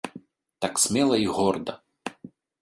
Так смела і горда.